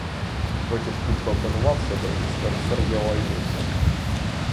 Потім хутко опанував себе і спересердя лайнувся.